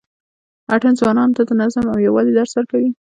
اتڼ ځوانانو ته د نظم او یووالي درس ورکوي.